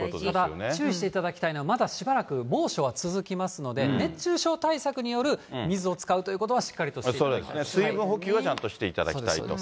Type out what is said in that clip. ただ注意していただきたいのは、まだしばらく猛暑は続きますので、熱中症対策による水を使うということは、しっかりとしてい水分補給はちゃんとしていただきたいと。